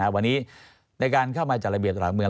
วันนี้ในการเข้ามาจัดระเบียบสถานเมือง